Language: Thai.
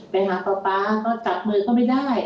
ไปหาป๊าป๊าก็จับมือก็ไม่ได้